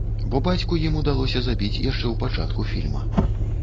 Бо бацьку ім удалося забіць яшчэ ў пачатку фільма.